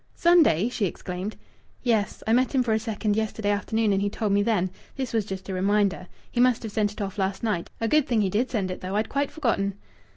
"Sunday!" she exclaimed. "Yes. I met him for a second yesterday afternoon, and he told me then. This was just a reminder. He must have sent it off last night. A good thing he did send it, though. I'd quite forgotten."